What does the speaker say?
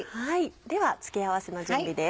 では付け合わせの準備です。